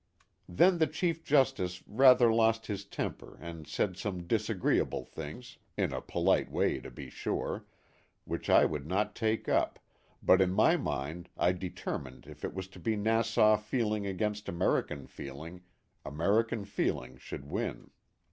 Then the Chief Justice rather lost his temper and said some disagreeable things in a polite way to be sure which I would not take up, but in my mind I determined if it was to be Nassau feeling against American feeling, Amer ican feeling should win.